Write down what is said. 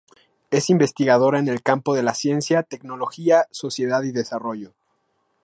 Es investigadora en el campo de la Ciencia, Tecnología, Sociedad y Desarrollo.